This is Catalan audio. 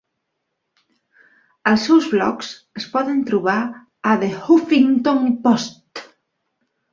Els seus blogs es poden trobar a "The Huffington Post".